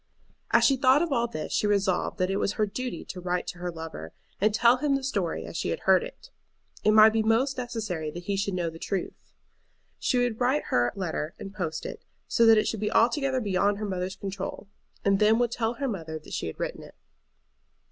As she thought of all this she resolved that it was her duty to write to her lover, and tell him the story as she had heard it. It might be most necessary that he should know the truth. She would write her letter and post it, so that it should be altogether beyond her mother's control, and then would tell her mother that she had written it.